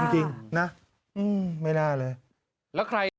จริงนะไม่น่าเลย